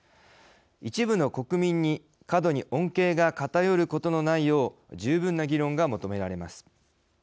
一部の国民に過度に恩恵が偏ることのないよう十分な議論が求められます。